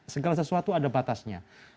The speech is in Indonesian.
segala sesuatu ada batasnya